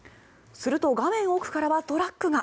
すると画面奥からはトラックが。